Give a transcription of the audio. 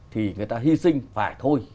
thì người ta hy sinh phải thôi